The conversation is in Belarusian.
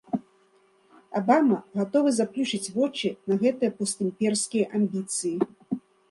Абама гатовы заплюшчыць вочы на гэтыя постімперскія амбіцыі.